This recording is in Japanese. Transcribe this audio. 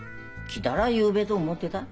来たら言うべと思ってた。